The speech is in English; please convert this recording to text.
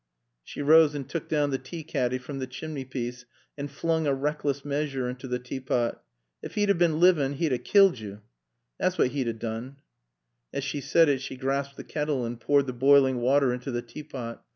She rose and took down the tea caddy from the chimney piece and flung a reckless measure into the tea pot. "Ef 'e'd 'a been a livin', 'E'd a killed yo. Thot's what 'e'd 'a doon." As she said it she grasped the kettle and poured the boiling water into the tea pot.